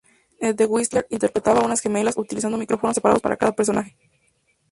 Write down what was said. En "The Whistler" interpretaba a unas gemelas, utilizando micrófonos separados para cada personaje.